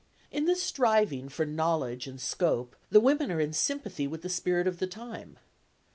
In this striving for knowledge and scope the women are in sympathy with the spirit of the time.